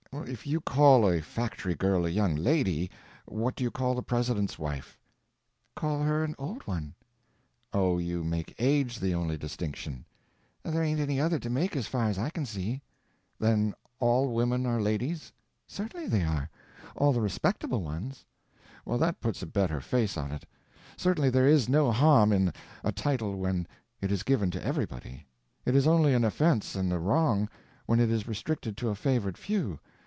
"If you call a factory girl a young lady, what do you call the President's wife?" "Call her an old one." "Oh, you make age the only distinction?" "There ain't any other to make as far as I can see." "Then all women are ladies?" "Certainly they are. All the respectable ones." "Well, that puts a better face on it. Certainly there is no harm in a title when it is given to everybody. It is only an offense and a wrong when it is restricted to a favored few.